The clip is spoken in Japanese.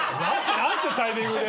何てタイミングで。